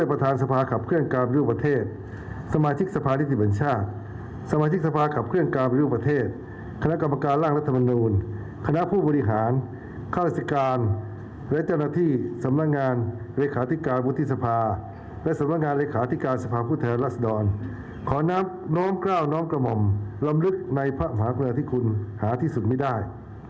ร่ำลึกในพระภาคมือที่คุณหาที่สุดไม่ได้